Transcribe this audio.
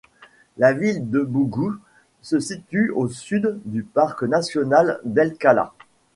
La ville de Bougous se situe au sud du parc national d’El-Kala.